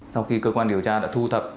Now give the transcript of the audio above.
sau khi cơ quan điều tra đã thu thập